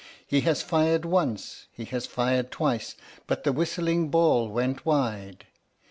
He has fired once, he has fired twice, but the whistling ball went wide.